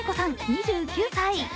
２９歳。